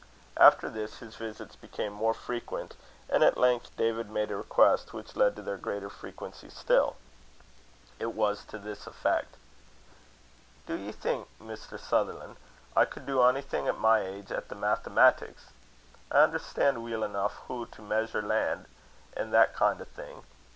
After this, his visits became more frequent; and at length David made a request which led to their greater frequency still. It was to this effect: "Do ye think, Mr. Sutherlan', I could do onything at my age at the mathematics? I unnerstan' weel eneuch hoo to measur' lan', an' that kin' o' thing.